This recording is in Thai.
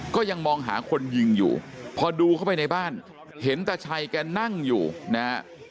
ก็ยังมองหาคนยิงอยู่พอดูเข้าไปในบ้านเห็นตาชัยแกนั่งอยู่นะฮะ